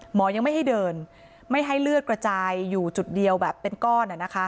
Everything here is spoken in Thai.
หมอยังไม่ให้เดินไม่ให้เลือดกระจายอยู่จุดเดียวแบบเป็นก้อน